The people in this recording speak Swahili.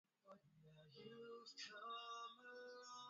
Pilau masala Vijiko vya chakula nne